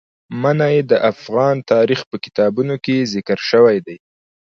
منی د افغان تاریخ په کتابونو کې ذکر شوی دي.